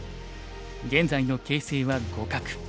現在の形勢は互角。